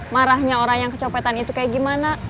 marahnya orang yang kecopetan itu kayak gimana